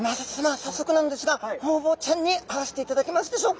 早速なんですがホウボウちゃんに会わせていただけますでしょうか。